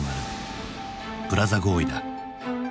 プラザ合意だ。